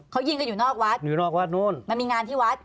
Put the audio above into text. เขายิงกันอยู่นอกวัดมันมีงานที่วัด